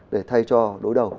để thay cho đối đầu